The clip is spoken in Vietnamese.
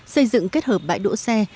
xây dựng kết hợp bãi đỗ xe